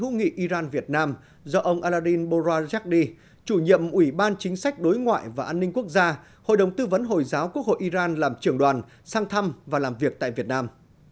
hữu nghị iran việt nam do ông aradin borazakdi chủ nhiệm ủy ban chính sách đối ngoại và an ninh quốc gia hội đồng tư vấn hồi giáo quốc hội iran làm trưởng đoàn sang thăm và làm việc tại việt nam